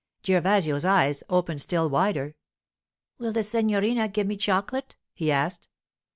Gervasio's eyes opened still wider. 'Will the signorina give me chocolate?' he asked.